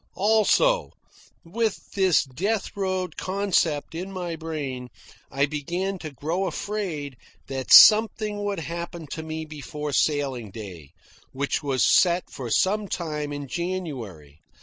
Also, with this death road concept in my brain, I began to grow afraid that something would happen to me before sailing day, which was set for some time in January.